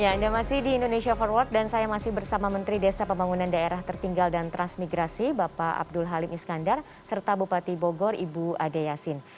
ya anda masih di indonesia forward dan saya masih bersama menteri desa pembangunan daerah tertinggal dan transmigrasi bapak abdul halim iskandar serta bupati bogor ibu ade yasin